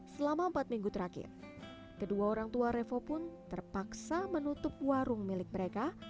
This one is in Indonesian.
selama empat minggu terakhir kedua orang tua revo pun terpaksa menutup warung milik mereka